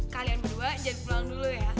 kalian berdua jadi pulang dulu ya